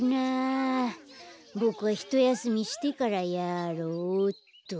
ボクはひとやすみしてからやろうっと。